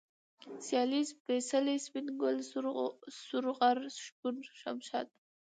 سيال ، سپېڅلى ، سپين گل ، سورغر ، شپون ، شمشاد